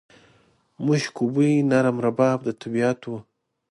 مشکو بوی، نرم رباب د طبیعت و